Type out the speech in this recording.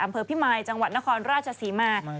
อำเภอพิมายจังหวัดนครราชศรีมา